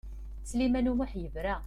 Sliman U Muḥ yebra.